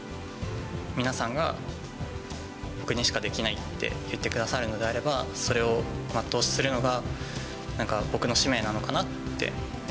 皆さんが僕にしかできないって言ってくださるのであれば、それを全うするのがなんか、僕の使命なのかなって。